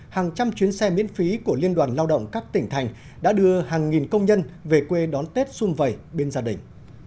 hàng trăm chuyến xe miễn phí của liên đoàn lao động các tỉnh thành đã đưa hàng nghìn công nhân về quê đón tết xung vầy bên gia đình